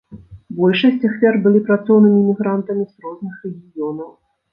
Большасць ахвяр былі працоўнымі мігрантамі з розных рэгіёнаў.